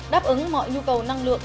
đáp ứng mọi nhu cầu năng lượng